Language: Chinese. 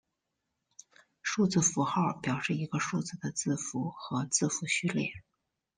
数字符号表示一个数字的字符和字符序列。